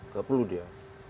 gak perlu dia